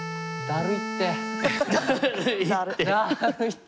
だるいって風船。